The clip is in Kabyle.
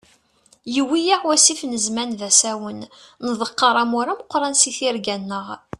Yewwi-yaɣ wasif n zzman d asawen, nḍeqqer amur ameqran si tirga-nneɣ.